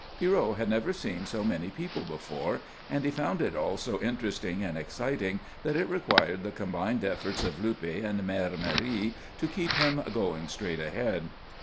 Pierrot had never seen so many people before, and he found it all so interesting and exciting that it required the combined efforts of Luppe and Mère Marie to keep him going straight ahead.